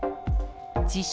自称